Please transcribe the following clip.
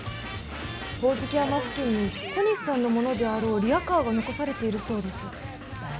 ホオズキ山付近に小西さんのものであろうリヤカーが残されているそうです。